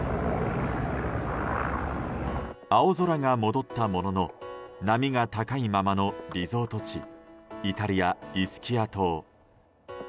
青空が戻ったものの波が高いままのリゾート地イタリア・イスキア島。